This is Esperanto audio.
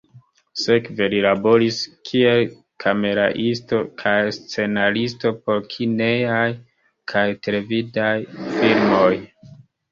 Sekve li laboris kiel kameraisto kaj scenaristo por kinejaj kaj televidaj filmoj.